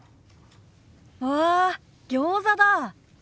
わあギョーザだ。